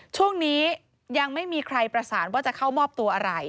ช่วงนี้ยังไม่มีใครประสานว่าจะเข้ามอบตัวอะไร